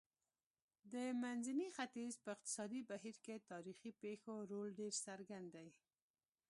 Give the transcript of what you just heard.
د منځني ختیځ په اقتصادي بهیر کې تاریخي پېښو رول ډېر څرګند دی.